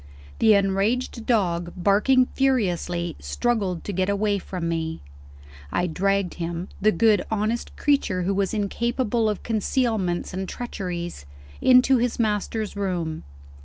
The enraged dog, barking furiously, struggled to get away from me. I dragged him the good honest creature who was incapable of concealments and treacheries! into his master's room.